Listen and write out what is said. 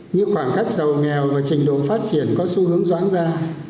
như khoảng cách giàu nghèo và trình độ phát triển có xu hướng doãn ra